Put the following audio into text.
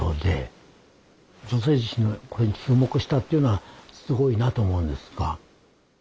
「女性自身」のこれに注目したっていうのはすごいなと思うんですが。